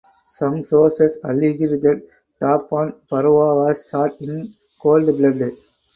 Some sources alleged that Tapan Baruah was shot in cold blood.